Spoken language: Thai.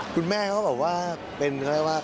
คุณแม่เขาเป็นอะไรว่า